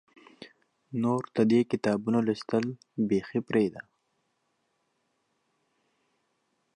نور د دې کتابونو لوستل بیخي پرېږده.